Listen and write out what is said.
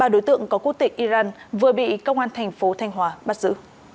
ba đối tượng có quốc tịch iran vừa bị công an thành phố thanh hóa bắt giữ